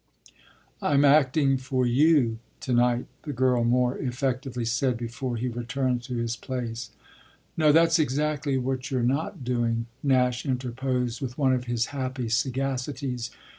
"I'm acting for you to night," the girl more effectively said before he returned to his place. "No, that's exactly what you're not doing," Nash interposed with one of his happy sagacities.